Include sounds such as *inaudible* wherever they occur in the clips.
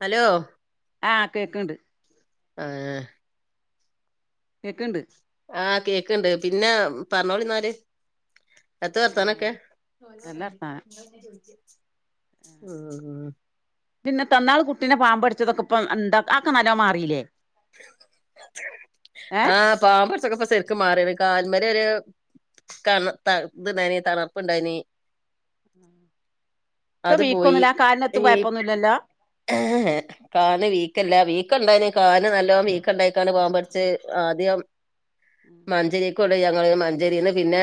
Hello ആഹ് കേക്ണ്ട് ആഹ് കേക്ണ്ട് ആഹ് കേക്ണ്ട് പിന്നെ പറഞ്ഞോളിന്നാല് എത്ത ഏഹ് വർത്താനൊക്കെ നല്ല വർത്താനം ഉം ഉം പിന്നെത്ത ഇന്നാള് കുട്ടിനെ പാമ്പട്ച്ചതൊക്കെ ഇപ്പം എന്താ അഹ്ക്കെ നല്ലോ മാറില്ലേ? ഏഹ് ആഹ് പാമ്പ് കടിച്ചതൊക്കെ ഇപ്പൊ ശരിക്ക് മാറി കാല്മ്മേലൊരു കണ ത ഇത്ണ്ടായിന് തണർപ്പ്ണ്ടായീനി ഇപ്പൊ അത് വീക്കൊന്നുല്ല ആ കാലിനെത്തും കൊഴപ്പൊന്നുല്ലല്ലോ? ഏഹ് കാലിൻ വീക്കല്ല വീക്കണ്ടായീനി കാലിന് നല്ലോം വീക്കണ്ടായിട്ടാണ് പാമ്പ് കടിച്ചെ ആദ്യം ഏഹ് മഞ്ചേരിക്കൊണ്ടയ് ഞങ്ങള് മഞ്ചേരിന്ന് പിന്നെ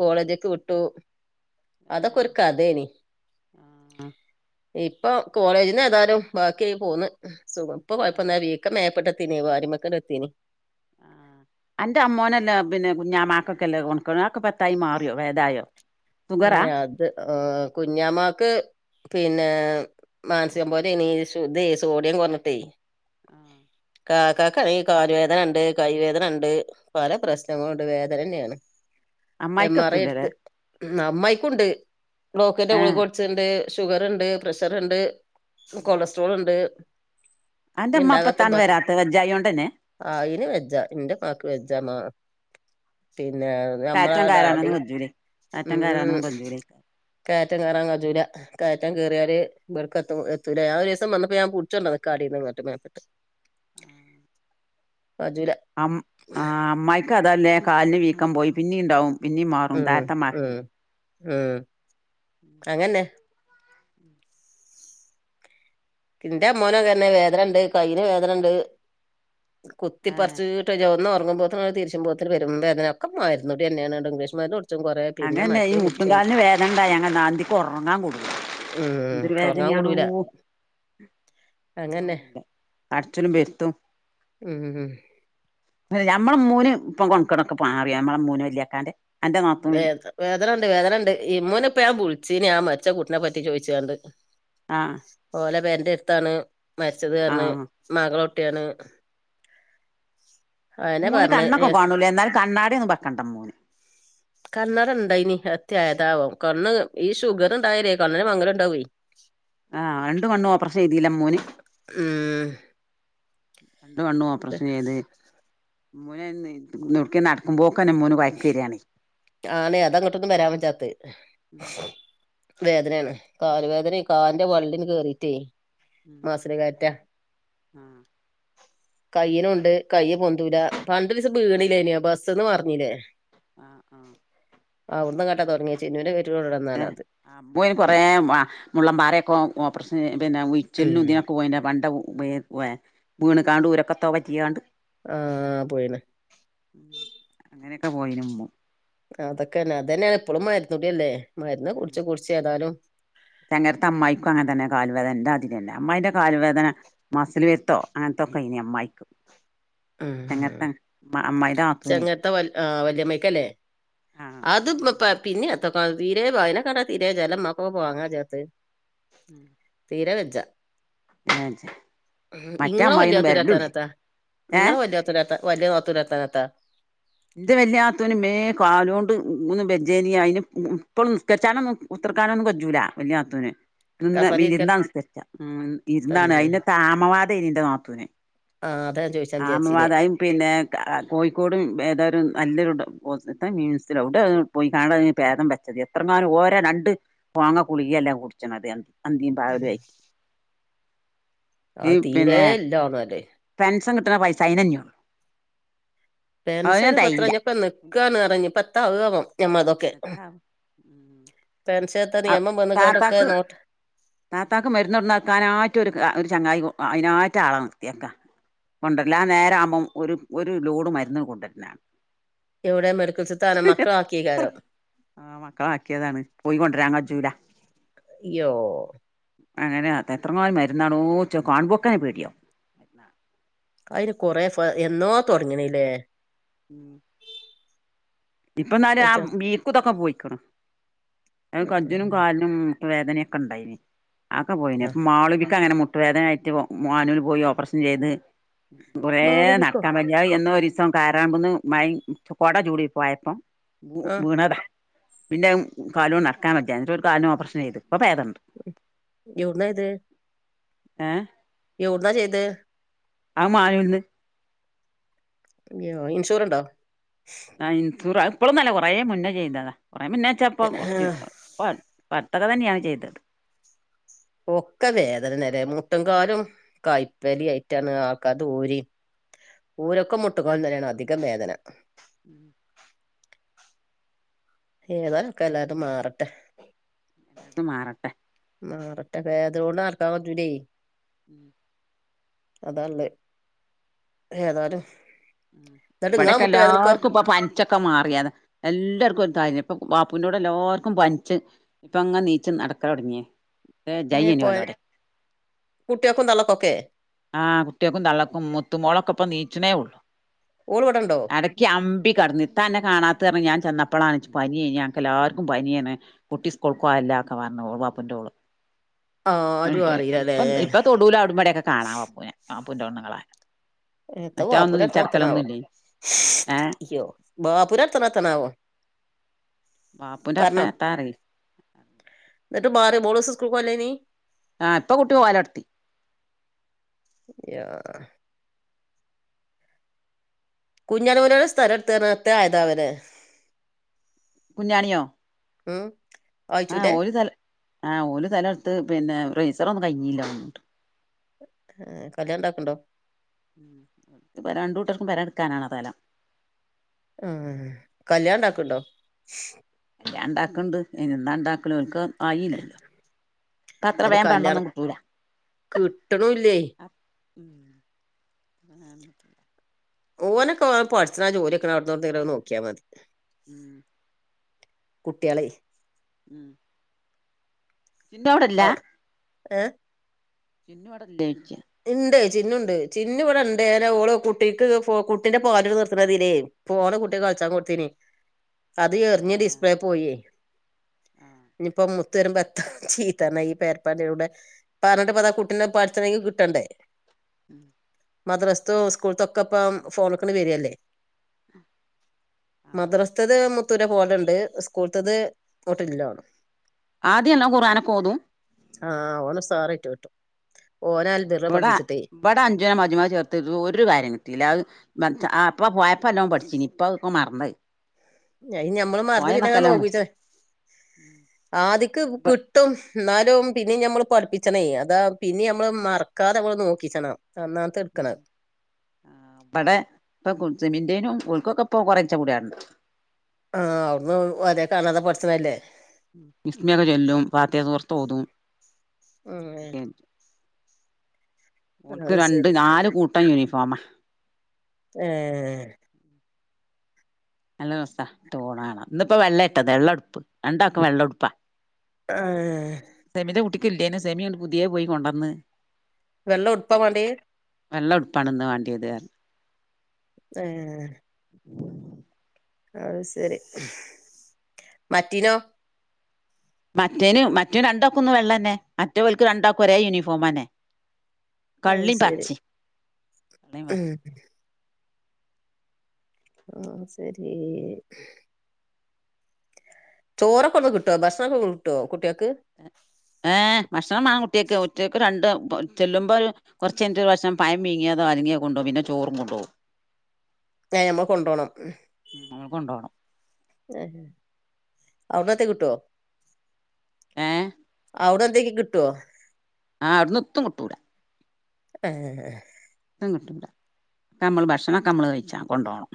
കോളേജിക്ക് വിട്ടു. അതൊക്കൊരു കതേനി ആഹ് ഇപ്പൊ കോളേജിന്ന് ന്നാലും ബാക്കി ആയി പോന്ന്. സുഖം. ഇപ്പൊ ഏഹ് കൊഴപ്പൊന്നുല്ല. വീക്കം മേപ്പെട്ട് എത്തീനി വാരിമ്മക്ക്ണ്ട് എത്തീനി. ആഹ് അന്റെ അമ്മോനല്ല പിന്നെ കുഞ്ഞാമാക്കൊക്കെല്ല കൊണ്ക്കട് ആക്കെപ്പത്തായി മാറിയോ വേദായോ ഏ അത് ആ കുഞ്ഞാമാക്ക് പിന്നെ മാൻസികം പോലേനി ശു ദേ സോഡിയം കൊറഞ്ഞിട്ടേ ആഹ് കാക്കാക്കാണെയ് കാല് വേദനണ്ട് കൈവേദനണ്ട് പല പ്രശ്നങ്ങണ്ട് വേദനന്നേണ്. എം ആർ ഐ അമ്മായിക്കെത്തൂലല്ലേ ഇട്ത്ത് അമ്മായിക്കുണ്ട് ബ്ലോക്കിന്റെ ഏഹ് ഗുളിക ച്ച്ണ്ട് ഷുഗറ്ണ്ട് പ്രഷറ്ണ്ട് കൊളസ്ട്രോൾണ്ട് അന്റെമ്മ അപ്പത്താണ് വരാത്തെ വെജ്ജായോണ്ടന്നെ അയ്‌ന് വെജ്ജാ ന്റെ മ്മാക്ക് വെജ്ജാ മാ പിന്നെ കയറ്റം നമ്മളാടടി കയറാനൊന്നും കജ്ജൂലേ കയറ്റം ഉം കയറാനൊന്നും കജ്ജൂലേക്കാരം കേറ്റം കേറാൻ കജ്ജുല. കേറ്റം കേറിയാല് ബട്ക്ക് എത് എത്തൂല ഞാഒരീസം മന്നപ്പോ ഞാൻ പുടിചൊണ്ടന്ന്ക്ക അടീന്ന്ങ്ങട്ട് മേപ്പ മ്മ് കജ്ജുല അം ആ അമ്മായിക്ക് അതല്ലേ കാലിന് വീക്കംപോയി പിന്നീണ്ടാവും പിന്നീമാറും ഉം താത്തമ്മാക്കെ ഉം ഉം അങ്ങന്നെ ഇന്റെ അമ്മോനു അതന്നെ, വേദനണ്ട് കയ്യിന് വേദനണ്ട്. ഏ കുത്തിപ്പർച്ചീട്ട് വജ്ജ ഒന്ന് ഒർങ്ങുമ്പോ തല തിരിച്ചുമ്പോത്തിന് പെരുമ്പേദന ഒക്ക മരുന്നുടിന്നേണ് ന്നട്ട് ഇഗ്ലീഷ് മരുന്നൊട് അങ്ങന്നെ ഈ മുട്ടുംകാൽന് വേദനണ്ടായ അങ്ങന്ന അന്തിക്ക് ഒറങ്ങാക്കൂടുല ഉം എന്തൊരു ഒറങ്ങാൻ വേദനയാണോ. കൂടൂല ഒർങ്ങാൻ അങ്ങന്നെ കൂടെ അട്ചലും വെര്ത്തും ഉം ഞമ്മള മോന് ഇപ്പൊ കൊണക്കേടൊക്കെ പാറി. ഞമ്മളെ മോന് വല്യാക്കാന്റെ, അന്റെ നാത്തു വല് വേദ വേദനണ്ട് വേദനണ്ട്. ഇമ്മൂനെ ഇപ്പ ഞാൻ ബിളിച്ചീനി ആ മരിച്ച കുട്ടീനെപ്പറ്റി ചോദിച്ച്ങ്ങാണ്ട്. ആഹ് ഓലെ പെരന്റെട്ത്താണ് ആ മരിച്ചത്ർഞ്ഞ് മകള ഉട്ടിയാണ്. ഇമ്മൂന് പറഞ്ഞ് ഏ, കണ്ണൊക്കെ കാണുലെ എന്നാലും കണ്ണാടിന്നും ബെക്കണ്ടമ്മൂന് കണ്ണടണ്ടായിനി. അത്യായതാവും. കണ്ണ്, ഈ ഷുഗറ് ഇണ്ടായേരേ കണ്ണിന് മങ്ങല് ഉണ്ടാവേ. ആഹ് രണ്ട്കണ്ണും ഓപ്രഷെയ്തീലെ മ്മൂന് ഉം രണ്ട്കണ്ണും പ്രശംചെയ്ത് ഇമ്മുനയ്ന് നൊട്ക്കെ നടക്കുമ്പോക്കെന്നെ ഇമ്മുന് കൊയകെരാണെ ആണെ അത ഇങ്ങട്ടൊന്നും വരാൻ വെജ്ജാത്തെ വേദനേണ് കാല് വേദനെ കാലിന്റെ വള്ളിണ്ട് കേറിട്ടേ മസില് കേറ്റ ആ കയ്യിനുണ്ട്. കയ്യ് പൊന്തൂല. പണ്ട് ഒരീസം ബീണില്ലേന്വാ? ബസ്സ്ന്ന് മറിഞ്ഞിലെ? ആഹ് ആഹ് അവുഡ്‌ന്ന്ങ്ങട്ട തൊട്ങ്ങി ചിന്നൂന്റെ പേറ്റിലണ്ടൊന്നാണ് അത്. അബ്ബുയ്ന് കൊറേ ആ മുള്ളൻമ്പാരെക്കോ ഓപ്ര പിന്നെ ഉം ഉയിച്ചില്നും ഇതിനൊക്കെ പോയിന്റ പണ്ട വീ ഹൊയ വീണ്കാണ്ട് ഊരക്കെത്തോ പറ്റിയാണ്ട് ആഹ് പോയിന്. അങ്ങനെക്കെ പോയിനി മ്മു അതൊക്കെന്നെ അതന്നെണ് എപ്പളും മരുന്നുടില്ലേ മര്ന്ന് കുടിച്ച് കുടിച്ച് ഏതാലും തെങ്ങര്ത്ത അമ്മായിക്കും അങ്ങൻതന്നെ കാല് വേദന ഇന്റാതിരിന്നെ. അമ്മായിന്റെ കാല് വേദന മസില് വെര്ത്തോ അങ്ങൻത്തൊക്കെയ്നി അമ്മായിക്ക് ഉം എങ്ങത്തെ മ്മ അമ്മായിന്റ നാത്തുനെ ചെങ്ങത്തെ വല് ആ വല്യമ്മയ്ക്കല്ലേ അത് ഇമ്മപ്പാ പിന്നെ എത്തക്ക തീരെ അയ്നക്കണ്ട തീരേ ജലം മ്മക്കൊ പോവാങ്കജ്ജാത്തെ. ഉം തീരെ വെജ മറ്റേ ഇങ്ങള് അമ്മായിയൊന്നും വല്ല്യാത്തൂൻ്റെ വരലുല്ല വർത്താനത്താ ഏ നിങ്ങള് വല്ലാത്ത ല്ലാത്ത മറ്റെ നാത്തൂൻ്റെ വർത്താനത്താ എൻ്റെ വലൃ നാത്തൂന് മേ കാലൊണ്ട് ഒന്ന് ബജനയിന് ഇപ്പം നിസ്ക്കരിച്ചാനൊന്നും കുത്തിരിക്കാനൊന്നും കജൂല വല്യ നാത്തൂന് നിന്ന് കസാലിരിക്കൽ ഇരിന്ന നിസ്കരിച്ച ഇരന്നാണ് തന്നെ അയിനെത്ത ആമവാതേനി ൻ്റ നാത്തൂന് ആ അതാ ഞാൻ ചോദിച്ചാൻ വിചാരിച്ചിനെ ആമവാദായും പിന്നെ കോഴിക്കോടും വെതാരു നല്ലൊരു മീൻസിലോ എവിടെയോ പോയി കാണ് ഭേദം വെച്ചത് എത്ര കാലം ഓരോ രണ്ട് പോങ്ങ കുളിക എല്ലാം കുടിച്ചണത് അന്തിയും പകലും ഉം. ആയിട്ട് ഈ പിന്നെ ഇത് രോഗം അല്ലേ പെൻഷൻ കിട്ടുന്ന പൈസാ അയിന്ന് തന്നെ ഒള്ളൂ പെൻഷന് പ്പെത്ര തെകയില്ല ഞ്ഞപ്പം നിക്കാന്ന് പറഞ്ഞ് ഇപ്പം എത്താകുവാണോ ഞമ്മ അതൊക്കെ എത്താവോ പെൻഷത്തെ നിയമം വന്നുകാണ്ടൊക്കെ താത്താക്ക് നോട്ട് താത്താക്ക് മരുന്ന് കൊണ്ട് നിൽക്കാനായിട്ട് ഒരു ഒരു ചങ്ങായി അതിനായിട്ട് ആളെ നിർത്തിയേക്ക കൊണ്ടുവല്ല ആഹ് നേരം ആകുമ്പം ഒരു ഒരു ലോഡ് മരുന്ന് കൊണ്ടുവരല എവിടെ മെഡിക്കൽ താനം മക്കളാക്കി എത്ര ആഹ് മക്കള് ആക്കിയതാണ് പോയികൊണ്ടരാൻ കജൂല യ്യോ അങ്ങനെയ എത്ര ങ്ങാനും മരുന്നാണോ ച്ചത് കാണുപോക്കനെ പേടിയോ അതിന് കൊറെ എന്നോ തുടങ്ങണില്ലേ ഉം ഇപ്പൊ എന്നാലും ആ വെച്ചാ വീക്കം ഇതൊക്കെ പോയിക്കണ് കജ്ജിനും ഉം. കാലിനും വേദനയൊക്കെ ഉണ്ടായിനി ആക്കെ പോയിനി ആ ഇപ്പൊ മാളൂവിക്ക് അങ്ങനെ മുട്ട് മുട്ട് വേദനായിട്ട് മാനൂൽ പോയി ഓപ്പറേഷൻ ചെയ്ത് കുറേ മാളുതിക്കോ നടക്കാൻ ഞാൻ എന്നോ ഒരു ദിവസം കാരാകുന്ന് മഴ കൊട ചൂടി പോയപ്പം ആ വീണതാ പിന്നെ കാലും കൊണ്ട് നടക്കാൻ പറ്റിയ എന്നിട്ട് ഒരു കാലിന് ഓപ്പറേഷൻ ചെയ്തു ഇപ്പൊ പേദണ്ട് എവിടന്ന ഇത് ഏഹ് എവിടന്നാ ചെയ്തെ ആഹ് മാനൂന്ന് അയ്യോ ഇൻഷുറ്ണ്ടോ ആഹ് ഇൻഷുറ് ഇപ്പളെന്നല്ല കുറേ മുന്നേ ചെയ്തതാ കുറേ മുന്നേ വെച്ചപ്പം കൊറച്ച് അത്ര തന്നെയാണ് ചെയ്തത് ഒക്കെ വേദന നേര മുട്ടുംകാലും കൈപ്പലി ആയിട്ടാണ് ഒക്കെ അത് ഊരി ഓരക്ക് മുട്ടുക്കാലിന് തന്നെയാണ് അധികം വേദന ഉം ഏതാനൊക്കെ അത് മാറട്ടെ അത് മാറട്ടെ മാറട്ടേ വേദനോണ്ട് നടക്കാൻ പറ്റൂലോ ശബ്ദം ക്ലിയർ അല്ല അതള്ളത് ഏതാലും ഇബടെ കെല്ലാർക്കും ഇപ്പം പൻ പനിച്ചക്കെ മാറിയത എല്ലാവർക്കും എന്താര്ന്ന് ഇപ്പം ബാപ്പുന്റെ അവിടെ എല്ലാവർക്കും പനിച്ച് ഇപ്പം അങ്ങ് എണീച്ച് നടക്കാൻ തുടങ്ങിയേ ഇതേ പോലെ കുട്ടിയൊക്കും തള്ളക്കൊക്കെ ആ കുട്ടിൾക്കും തള്ളക്കും മുത്തുമോളൊക്കെ ഇപ്പ ണീച്ചിനേ ഉള്ളു ഓള് ഇവിടണ്ടോ അടക്കി അമ്പി കടന്ന് എത്ത അന്നെ കാണാത്ത കാരണം ഞാൻ ചെന്നപ്പോളാണ് എനിക്ക് പനി ഞങ്ങൾ എല്ലാവർക്കും പനിയാണ് കുട്ടി സ്കൂൾക് പോഅല്ലാ ഒക്കെ പറഞ്ഞോ ബാപ്പൂൻ്റ മോള് ആരും *unintelligible* അറിയില്ലല്ലേ ഇപ്പം ഇപ്പൊ തൊടൂല അവടെമ്ബടെക്കെ കാണാം വപ്പൂനെ വാപ്പൂന്റെ പെണ്ണുങ്ങള എത്ത ബാപ്പുന്റത്താനാവോ ഏഹ് യ്യോ ബാപ്പൂന്റത്താനെത്താണാവോ വാപ്പൂന്റർത്താനെത്താറി- ന്നട്ട് മാറ്യോ മോളൂസ് സ്കൂൾക്ക് പോകലിലനീ ആപ്പ കുട്ടി പോലൊടത്തി. യാആഹ്. കുഞ്ഞാലി ഓല്യേരെ സ്ഥലം എടുത്തുറഞ്ഞു എത്തെ ആയതാവലേ. കുഞ്ഞാണ്യോ. ഉം. ആഹ് ആയിച്ചൂന്റെ ഓല് തെല ആഹ് ഒരു തെലടുത്ത് പിന്നെറൈസർ ഒന്നും കഴഞ്ഞില്ല ഓന്ന്ണ്ട് ആഹ് കല്യാണം ഇണ്ടാക്ക്ണ്ടോ ഇപ്പ രണ്ടൂട്ടർക്കും പെരം എടുക്കാനാണ് തെലം ആഹ് കല്യാണണ്ടാക്ക്ണ്ടോ ല്യാണണ്ടാക്ക്ണ്ട് അയ്നെന്താണ്ടാക്ക്നോല്ക്- ആയില്ലല്ലോ പ്പ അത്രവേം പെണ്ണൊന്നും കിട്ടൂല്ല കിട്ട്ണൂല്ലേയ് ഉം ഉം ഓനൊക്കവ പട്ച്ച്ണാ ജോലിയൊക്ക്ണ അവ്ട്ന്നൊട് ന്നേലൊക്കെ നോക്ക്യാ മതി. ഉം കുട്ട്യാളെയ്. *unintelligible* ചിന്നു അവിടെല്ല ആവുട് ഏ. *unintelligible* ഇണ്ടേയ് ചിന്നുണ്ട് ചിന്നു ഇവിടെണ്ടേന ഓള് കുട്ടിക്ക് ഫോ കുട്ടിന്റെ പാലുടി നിർത്തണതിലേയ്. ഫോണ് കുട്ടിക്ക് കളിച്ചാൻ കൊടുത്തീനേയ് അത് എറിഞ് ഡിസ്പ്ലേ പോയേയ്. ഞ്ഞിപ്പ മു തെരുമ്പത്ത് ചീത്തർഞ ഈ പേരപന്നൂടെ പറഞ്ഞിട്ടെപ്പെന്താ കുട്ടിനെ പഠിച്ചെണെങ്കി കി ട്ടണ്ടേ ഉം മദ്രസ്തോം സ്കൂൾതൊക്കപ്പ ഫോണ്ക്ക്ണ് വര്അല്ലേ മദ്റസ്ത്തത് ആമു- ഉരെ പോലെണ്ട് സ്കൂൾത്തത് ഓട്ടില്ലാണും ആദി നല്ലോം ഖുർആനൊക്കോതും. ആ ഓനുസാറായിട്ട് കിട്ടും ഓന് അൽബിറ് പഠ്പ്പിച്ചിട്ടേ. ബട അഞ്ചുനെ മജ്മഅ് ചേർത്ട്ട് ഒരു കാര്യം കിട്ടില്ല അത് അപ്പ പോയ പ്പല്ലോം പഠ്ച്ചീനി പ്പവ് ഒക്കെ മർന്നവ്. ഞയ് ഞമ്മള് മർന്ന് പിന്നങ്ങനെ നോക്കിച- ഉം. ആദിക്ക് ബ് കിട്ടും ന്നാലും പിന്നിം ഞമ്മള് പഠ്പ്പിച്ചണേ അതാ പിന്നി ണമ്മള് മർ- കാദമ്മൾ നോക്കിച്ചണം അന്നാ- ഉം ബടെ പ്പൊ കുജ്ജ്മിൻ്റെനും ഓൽക്കൊക്ക പ്പൊ കൊറെചെ പുട്യാട്ണ്ട്. ആഹ് അവിടുന്നും ഓലെ കാണാതെ പഠിച്ചണല്ലേ വിസ്മിഒക്കെ ചല്ലും പാത്തിയ സൂറത്തോതും ആഹ് ക്കെ ഓല്ക്ക് അത് രണ്ട് ശരി നാല് കൂട്ടം യൂണിഫോമ ഏഹ് നല്ലൂസ ഇട്ടു പോണ കാണ ഇന്നിപ്പ വെള്ളെട്ടത് വെള്ള ഉടുപ്പ് രണ്ടാക്കും വെള്ള ഉടുപ്പാ ആഹ് സെമിന്റെ കുട്ടിക്കില്ലേനു സെമിന്ന്ട്ട് പുതിയേ പോയി കൊണ്ടുവന്ന് വെള്ള ഉടുപ്പാമാണ്ടിയെ വെള്ള ഉടുപ്പാണ്ന്ന്‌ വണ്ടിയത് പറ- ഏഹ് അയ് ശരി മറ്റിനോ മറ്റേന് മറ്റേ രണ്ടാക്കും ഇന്ന് വെള്ളന്നെ മറ്റേ ഇവലക്ക് രണ്ടാക്കും ഒരേ യൂണിഫോം തന്നെ അത് കള്ളിം ശരി പച്ചിം ഉം ആഹ് ശരി ചോറ് ഒക്കെ കിട്ടോ ഭക്ഷണം കിട്ടോ കുട്ടിആൾക്ക് ഏഹ് ഭക്ഷണം മാണ് കുട്ടിൾക്ക് ഒറ്റക്ക് രണ്ട് ചെല്ലുമ്പോ ഒരു കുറച്ച് കഴിഞ്ഞിട്ട് ഒരു ഭക്ഷണം പയം പീങ്ങിയതോ അലങ്ങിങ്കി കൊണ്ടു പോകും പിന്നെ ചോറും കൊണ്ടപോകും ഏഹ് നമ്മൾ കൊണ്ടോണം ഉം നമ്മൾ കെണ്ടുപോകണം ഏഹ് ഔടെന്ന്എത്തെ കിട്ടോ ഏഹ് അവിടെ എന്തേങ്കി കിട്ടുവോ ആഹ് അവിടുന്ന് എത്തും കിട്ടുലാ ഏഹ് എത്തും കിട്ടുലാ ഇപ്പം മ്മള് ഭക്ഷണം മ്മള് കഴിച്ചാ കൊണ്ടോ ണം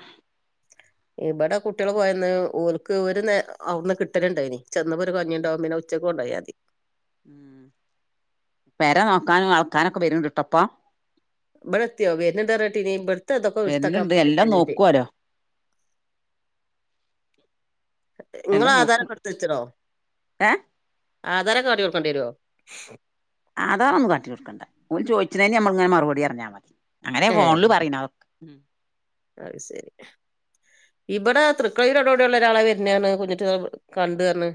ഇവിടെ കുട്ടികൾ പോയന്ന് ഓൽക്ക് ഒരു നേ അവിന്ന് കിട്ടലുണ്ടോയിനി ചെന്നപ്പോ ഒരു കഞ്ഞി ഉണ്ടാവും പിന്നെ ഉച്ചക്ക കൊണ്ടോയാ തി പെരെ നോക്കാനും അളക്കാനും ഒക്കെ വരുന്നുണ്ട് ട്ടെ ഇപ്പം ഇബടെ എത്തിയോ വരുന്നുണ്ട് പറഞ് കേട്ടീനി ഇബ്ടുത്തെ ഇതൊക്കെ ഇടുത്തെക്കാൻ വരുന്നുണ്ട് പറഞ്നീ എല്ലാം കുഞ്ഞുട്ടി നോക്കുവോലോ ഇങ്ങളെ എല്ലാം നോക്കും ആധാരക്കടുത്ത് വെച്ചോണോ ഏഹ് ആധാരം കാട്ടികൊടുക്കേണ്ടി വരോ? ആധാർ ഒന്നും കാട്ടി കൊടുക്കണ്ട ഓല് ചോയിച്ചിനെ നമ്മൾ ഇങ്ങനെ മറുപടി പറഞ്ഞാൽ മതി അങ്ങനെ ഫോണില് പറയണ ഉം അയ് ശരി ഇവിടെ തൃക്കളയൂരടോടെയള്ള ഒരാളെ വരുന്നെയാണ് കുഞ്ഞുട്ടി കണ്ട് പറഞ്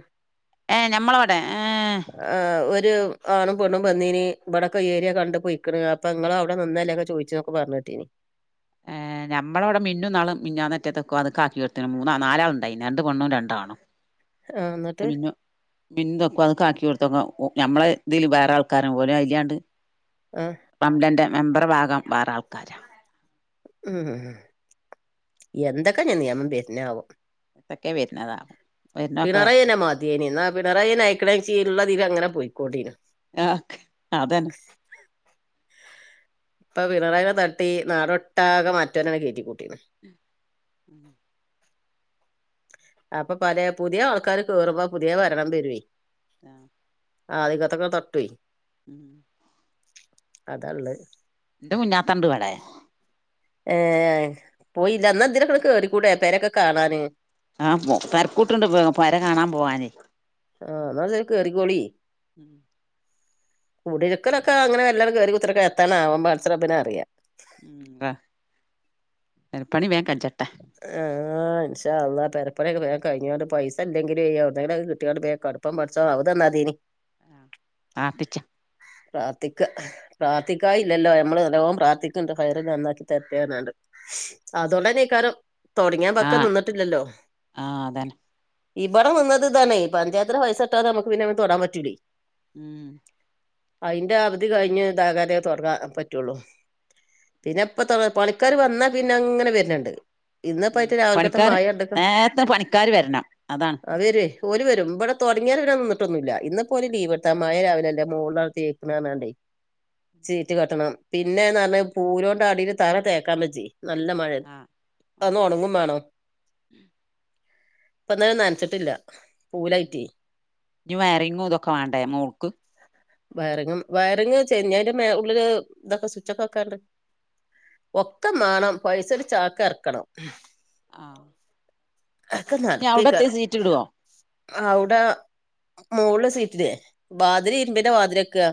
ഏഹ് ഞമ്മളെ ഇവിടെ ഏഹ് ആ് ഒരു ആണും പെ ണ്ണും വെ ന്നീനി ഇവിടെക്കെ ഏരിയ കണ്ട് പോയി ക്ക്ണ് അപ്പൊ ഇങ്ങൾ അവിടെ നിന്നല്ലേൊക്കെ ചോദിച്ചു പറഞ് കേട്ടിനി നമ്മളെ ഇവിടെ മിന്നും ഇനാള് മിഞ്ഞാനറ്റെ തക്കുവാത് ആക്കി കൊടുത്തിന് മൂന്നാ നാലാള ണ്ടായി നി രണ്ട് പെണ്ണും രണ്ട് ആണും ആഹ് എന്നിട്ട് മിന്നു മിന്നു തെക്ക് വാത് ആക്കി കൊടുത്തപ്പം ഞമ്മളെ ഇതില് വേറെ ആൾക്കാരും ഒലെ അയിലെ വേറെ ആൾക്കാരും ആഹ് റംലന്റെ മെമ്പർ ഭാഗം വേറെ ആൾക്കാരാ ഉം എന്തൊക്കെ നിയമം വര്ണെയ് ആവോ എതൊക്കെ വരുന്നതാകും വരുന്നൊക്കെ വരട്ടെ അതേ എന്നാ പിണറായി നയക്കണീ ഉള്ളത്തില് അങ്ങനെ പോയിക്കോണ്ടീനു ആഹ് അതെന്നെ ഇപ്പൊ പിണറായിനെ തട്ടി നാടൊട്ടാകെ മറ്റെനെന്നെ കയറ്റിക്കൂട്ടീന്ന് ഉം അപ്പൊ പല പുതിയ ആൾക്കാര് കേയറുമ്പോ പുതിയ ഭരണം വെരും ആഹ് ആദ്യക്കത്തെക്കെ തട്ടും ഉം അതാ ള്ളത് ഇന്റെ കുഞാത്തണ്ട് ഇവടെ ഏ പോയില്ല ഇന്നാ ഇതിലെക്കെ കേറികൂടെ പേരൊക്കെ കാണാന് ആഹ തരക്കൂട്ടുണ്ട് പോ പെര കാണാൻ പോവാനേ ആഹ് ന്നാ ഇതിലെ കോറിക്കോളിം ഉം കുടിര്ക്കലൊക്ക അങ്ങനെ മെല്ലെണ് കേറി കുത്തർക്ക എത്താണാവം പട്ച്ച റബ്ബിനറിയ. ഉവ പേര പണി വേം കച്ചട്ടെ ആഇൻഷാ അൽഹാ പേരപണിക്കെ വെ കഴിഞ്ഞോണ്ട് പൈസ ഇല്ലെലും ഏവിടെന്നെങ്കിലൊക്കെ കിട്ടോണ്ട് വേം കടു പ്പം പഠിച്ചാ *unintelligible* ആപാ പിച്ച പ്രാറ തിക്കാം പ്രാർത്ഥിക്കായില്ലല്ലോ നമ്മള് നല്ലോം പ്രാർഥിക്ണ്ട് ഖൈറ് നന്നാക്കി തെര്റ്റെർഞാണ്ട്. ശ് അതൊണ്ടെന്നെയ്ക്കാരം തൊടങ്ങ്യപക്കം ആഹ് നിന്നിട്ടില്ലല്ലോ. ആഹ് അതന്നെ ഇവിടെ നിന്നത് ഇതാണ് പഞ്ചായത്തിലെ പൈസ കിട്ടാതെ നമുക്ക് പിന്നെയിമേ ത്തെടാൻ പറ്റൂലെ ഉം അതിന്റെ അവധി കഴിഞ് ഇതാകാതെ തുറങ്ങാൻ പറ്റുള്ളൂ പിന്നെ ഇപ്പ ത്തെ പണിക്കാർ വന്നാ പിന്നെ അങ്ങനെ വരുന്നുണ്ട് ഉം ഇന്ന്പ്പൈറ്റ രാവിൽക്കത്തെ പണിക്കാര് മയണ്ട്ക്ക നേരത്തെ പണിക്കാര് വരണം അതാണ് അ വരുവേ. ഓല് വരും ഇവിടെ തുടങ്ങിയര വരൻന്നിട്ടൊന്നുല്ല ഇന്ന് പോ ഓല് ലീവ്ടുത്ത മായ രാവിലല്ല ൻ്റെ മോളാണ് തേക്കണ അർഞാണ്ടേ. ചീറ്റ് കെട്ടണം പിന്നെന്നർഞ്ഞാ പൂലോണ്ടടിൽ തറ തേക്കാബജ്ജയ്. നല്ല മഴ ആഹ് അന്ന് ഒണങ്ങും മാണം. പ്പന്ന് നൻച്ചിട്ടില്ല പൂലായിറ്റി. ന് വയറിങ്ങും ഇതൊക്കെ വണ്ട മോൾക്ക് വയറി വയറിങ്ചെ ന്നി അയി ന്റെ ഉള്ളില് ഇതൊക്കെ സ്വിച്ച് ഒക്കെ വെക്കാണ്ട് ഒക്ക മാണം പൈസ ഒരു ചാക് എർക്കണം. ആഹ്. അക്കെ ഇനി അവിടെത്തെ നട്ക്കുവയ്ക്കാരം. സീറ്റ് ഇടുവോ അവിടെ മോള് സീറ്റിലേ ബാത് ന്റെ വതില് വെക്ക ക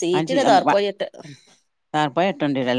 സീറ്റിട താർപായി ട്ട ഡാർപായ എട്ടൊണ്ടിടൽ.